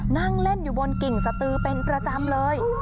นั่งเล่นอยู่บนกิ่งสตือเป็นประจำเลย